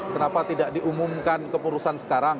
kenapa tidak diumumkan keputusan sekarang